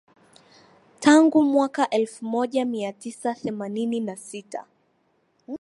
tangu mwaka elfumoja miatisa themanini na sita